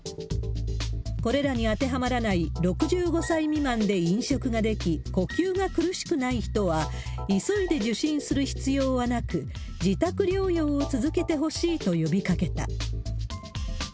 これらに当てはまらない、６５歳未満で飲食ができ、呼吸が苦しくない人は、急いで受診する必要はなく、自宅療養を続けてほしいと呼びかけた。